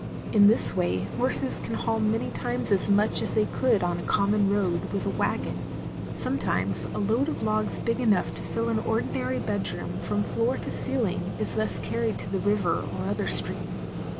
In this way horses can haul many times as much as they could on a common road with a wagon. Sometimes a load of logs big enough to fill an ordinary bedroom from floor to ceiling is thus carried to the river or other stream.